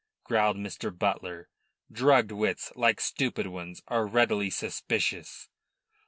growled Mr. Butler. Drugged wits, like stupid ones, are readily suspicious.